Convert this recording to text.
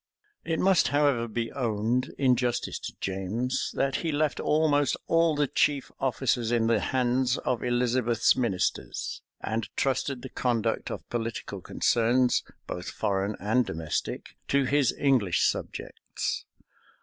It must, however, be owned, in justice to James, that he left almost all the chief offices in the hands of Elizabeth's ministers, and trusted the conduct of political concerns, both foreign and domestic, to his English subjects.